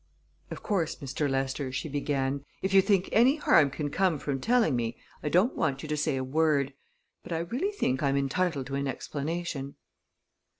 "Of course, Mr. Lester," she began, "if you think any harm can come from telling me, I don't want you to say a word; but I really think I'm entitled to an explanation."